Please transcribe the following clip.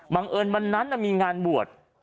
เอิญวันนั้นมีงานบวช